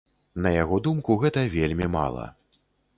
На яго думку, гэта вельмі мала.